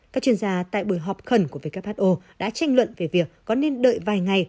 các chuyên gia tại buổi họp khẩn của who đã tranh luận về việc có nên đợi vài ngày